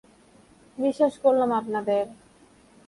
বিশ্বাস করলাম আপনাদের।